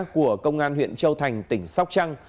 của công an huyện châu thành tỉnh sóc trăng